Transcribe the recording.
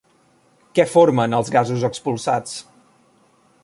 Què formen els gasos expulsats?